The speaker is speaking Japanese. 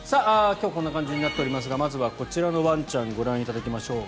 今日こんな感じになっておりますがまずはこちらのワンちゃんご覧いただきましょう。